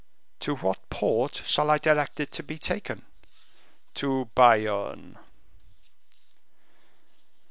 "To what port shall I direct it to be taken?" "To Bayonne."